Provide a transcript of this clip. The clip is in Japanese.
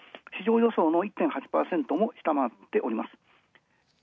市場予想の１．８％も下回っています。